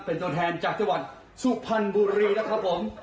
เป็นตัวแทนจากทะวันสุพันธุ์บุรีนะครับ